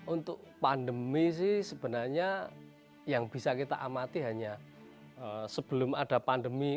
untuk pandemi sih sebenarnya yang bisa kita amati hanya sebelum ada pandemi